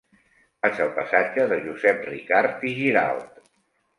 Vaig al passatge de Josep Ricart i Giralt.